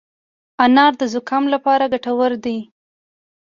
انار د زکام لپاره ګټور دی.